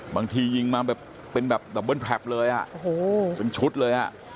บางทียิงมาเป็นแบบดับเบิ้ลแพลปเลยอ่ะเป็นชุดเลยอ่ะ